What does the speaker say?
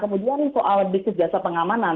kemudian soal bisnis jasa pengamanan